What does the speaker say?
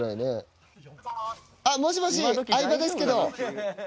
あっもしもし相葉ですけど。